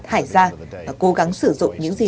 thải ra và cố gắng sử dụng những gì